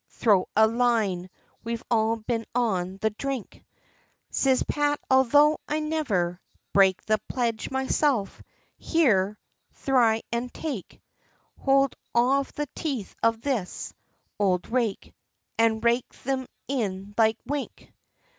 throw a line, we've all been on the dhrink," Siz Pat "Although I'll never brake the pledge meself, here, thry an' take Howld of the teeth of this owld rake," and raked thim in like wink!